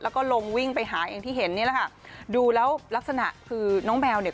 แล้วก็ลงวิ่งไปหาอย่างที่เห็นนี่แหละค่ะดูแล้วลักษณะคือน้องแมวเนี่ย